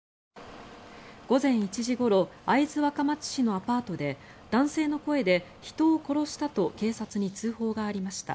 午前１時ごろ会津若松市のアパートで男性の声で人を殺したと警察に通報がありました。